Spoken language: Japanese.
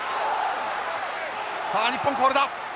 さあ日本コールだ！